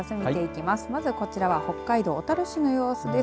まず、こちらは北海道小樽市の様子です。